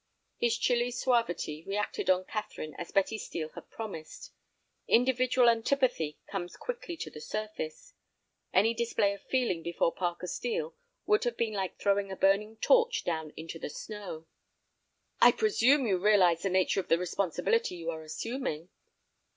His chilly suavity reacted on Catherine as Betty Steel had promised. Individual antipathy comes quickly to the surface. Any display of feeling before Parker Steel would have been like throwing a burning torch down into the snow. "I presume you realize the nature of the responsibility you are assuming?"